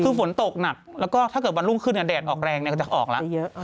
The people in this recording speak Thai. คือฝนตกหนักแล้วก็ถ้าเกิดวันรุ่งขึ้นแดดออกแรงก็จะออกแล้ว